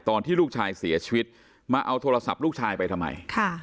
ตอนที่ลูกชายเสียชีวิตมาเอาโทรศัพท์ลูกชายไปทำไม